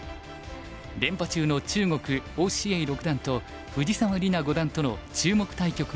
連覇中の中国於之瑩六段と藤沢里菜五段との注目対局が実現。